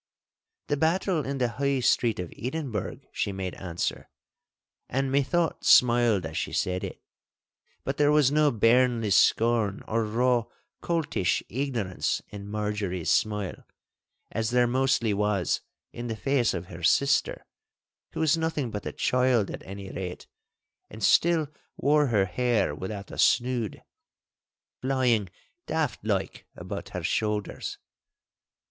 'The battle in the High Street of Edinburgh,' she made answer, and methought smiled as she said it. But there was no bairnly scorn or raw coltish ignorance in Marjorie's smile, as there mostly was in the face of her sister—who was nothing but a child at any rate, and still wore her hair without a snood, flying daft like about her shoulders.